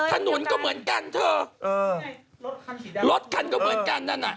ถนนก็เหมือนกันเถอะรถคันก็เหมือนกันนั่นอะ